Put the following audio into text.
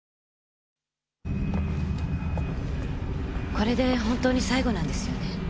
これで本当に最後なんですよね？